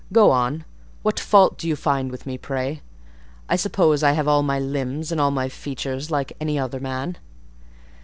Go on: what fault do you find with me, pray? I suppose I have all my limbs and all my features like any other man?"